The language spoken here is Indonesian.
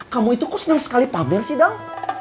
kamu itu kok senang sekali pamer sih dong